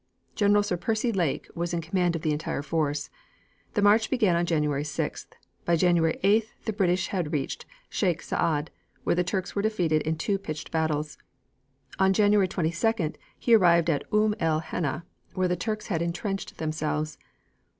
General Sir Percy Lake was in command of the entire force. The march began on January 6th. By January 8th the British had reached Sheikh Saad, where the Turks were defeated in two pitched battles. On January 22d he had arrived at Umm el Hanna, where the Turks had intrenched themselves.